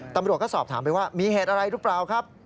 ตำรวจก็สอบถามไปว่ามีเหตุอะไรหรือเปล่าครับ